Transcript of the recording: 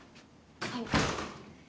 はい。